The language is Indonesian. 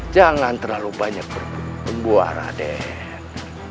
jangan terlalu banyak berpembawa raden